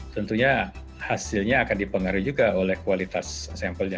tentunya hasilnya akan dipengaruhi juga oleh kualitas sampelnya